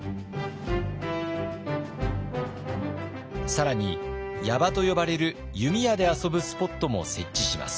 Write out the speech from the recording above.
更に矢場と呼ばれる弓矢で遊ぶスポットも設置します。